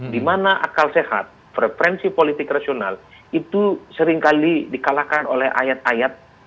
dimana akal sehat preferensi politik rasional itu seringkali di kalahkan oleh ayat ayat agama tertentu untuk memulai